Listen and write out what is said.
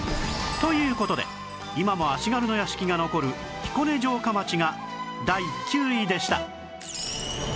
という事で今も足軽の屋敷が残る彦根城下町が第９位でした